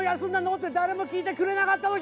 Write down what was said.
って誰も聞いてくれなかった時。